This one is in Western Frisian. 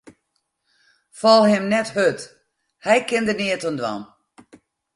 Fal him net hurd, hy kin der neat oan dwaan.